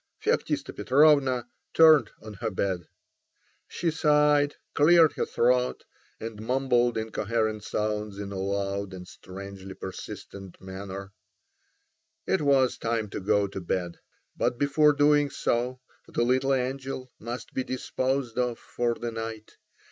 Feoktista Petrovna turned on her bed. She sighed, cleared her throat, and mumbled incoherent sounds in a loud and strangely persistent manner. It was time to go to bed. But before doing so the little angel must be disposed of for the night.